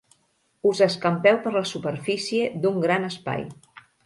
Us escampeu per la superfície d'un gran espai.